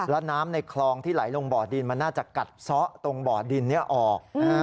แล้วน้ำในคลองที่ไหลลงบ่อดินมันน่าจะกัดซ้อตรงบ่อดินนี้ออก